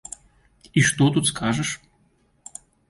І што тут скажаш?